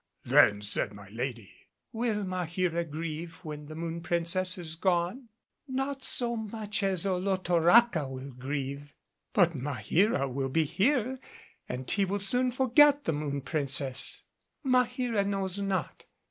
Then said my lady, "Will Maheera grieve when the Moon Princess is gone?" "Not so much as Olotoraca will grieve." "But Maheera will be here and he will soon forget the Moon Princess." "Maheera knows not.